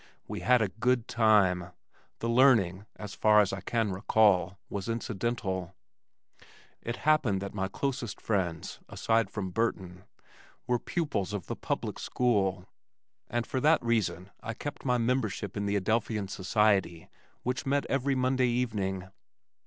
We had a good time. The learning, (so far as I can recall) was incidental. It happened that my closest friends, aside from Burton, were pupils of the public school and for that reason I kept my membership in the Adelphian Society which met every Monday evening.